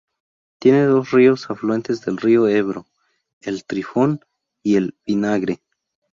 Tiene dos ríos afluentes del río Ebro, el Trifón y el Vinagre.